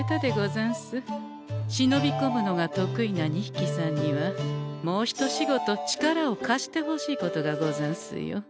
しのびこむのが得意な２ひきさんにはもうひと仕事力を貸してほしいことがござんすよ。